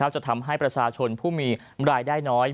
จะทำให้ประชาชนผู้มีรายได้น้อย